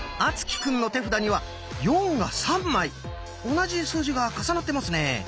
同じ数字が重なってますね。